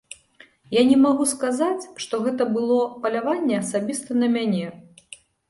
Я не магу сказаць, што гэта было паляванне асабіста на мяне.